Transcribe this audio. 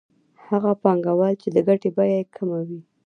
هغه پانګوال چې د ګټې بیه یې کمه وي